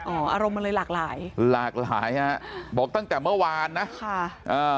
อารมณ์มันเลยหลากหลายหลากหลายฮะบอกตั้งแต่เมื่อวานนะค่ะอ่า